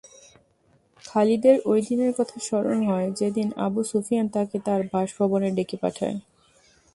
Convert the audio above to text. খালিদের ঐ দিনের কথা স্মরণ হয় যেদিন আবু সুফিয়ান তাকে তার বাসভবনে ডেকে পাঠায়।